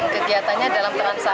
kegiatannya dalam terang